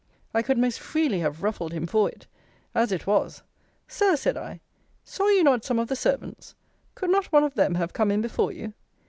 I could most freely have ruffled him for it. As it was Sir, said I, saw you not some of the servants? Could not one of them have come in before you?